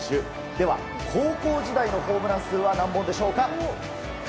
では、高校時代のホームラン数はなんぼんでしょうか。